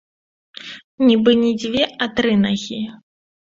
Нібы не дзве, а тры нагі.